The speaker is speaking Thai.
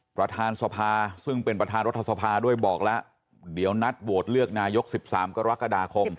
ประธานสภาซึ่งเป็นประธานรัฐสภาด้วยบอกแล้วเดี๋ยวนัดโหวตเลือกนายก๑๓กรกฎาคม